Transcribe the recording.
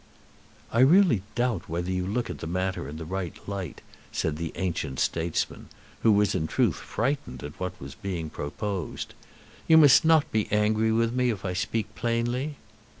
"I really doubt whether you look at the matter in the right light," said the ancient statesman, who was in truth frightened at what was being proposed. "You must not be angry with me if I speak plainly."